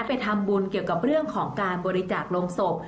ไปทำบุญเกี่ยวกับเรื่องของการบริจาคลงศพ